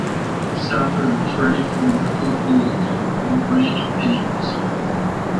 Souther and Frey formed a folk duo called Longbranch Pennywhistle.